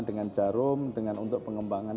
dengan jarom untuk pengembangan